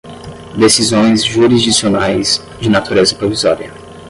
decisões jurisdicionais, de natureza provisória